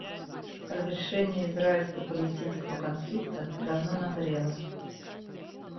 Разрешение израильско-палестинского конфликта давно назрело.